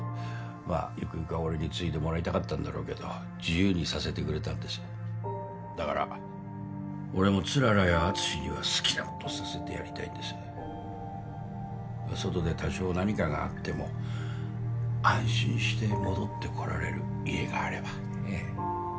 まあゆくゆくは俺に継いでもらいたかったんだろうけど自由にさせてくれたんですだから俺も氷柱や敦には好きなことをさせてやりたいんです外で多少何かがあっても安心して戻ってこられる家があればねえ